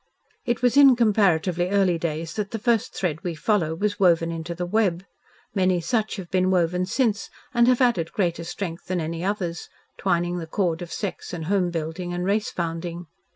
It was in comparatively early days that the first thread we follow was woven into the web. Many such have been woven since and have added greater strength than any others, twining the cord of sex and home building and race founding.